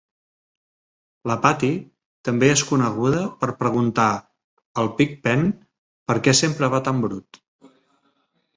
La Patty també és coneguda per preguntar al Pig-Pen per què sempre va tan brut.